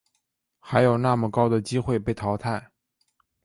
还有那么高的机会被淘汰